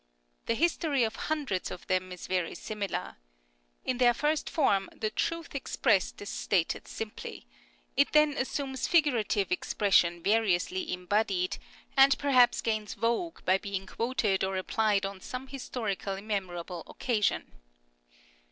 The history of hundreds of them is very similar. In their first form the truth ex pressed is stated simply ; it then assumes figurative 258 CURIOSItlES OF expression variously embodied, and perhaps gains vogue by being quoted or applied on some historically memorable occasion.